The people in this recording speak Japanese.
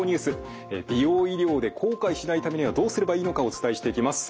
美容医療で後悔しないためにはどうすればいいのかお伝えしていきます。